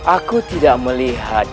aku tidak melihatnya